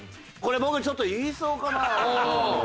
これ僕ちょっと言いそうかな。